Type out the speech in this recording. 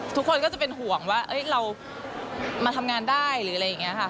ทุกคนก็จะเป็นห่วงว่าเรามาทำงานได้หรืออะไรอย่างนี้ค่ะ